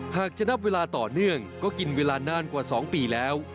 หากจะนับเวลาต่อเนื่องก็กินเวลานานกว่า๒ปีแล้ว